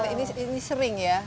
ini sering ya